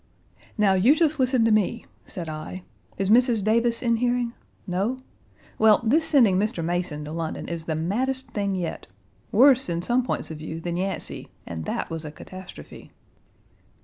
"Now you just listen to me," said I. "Is Mrs. Davis in hearing no? Well, this sending Mr. Mason to London is the maddest thing yet. Worse in some points of view than Yancey, and that was a catastrophe."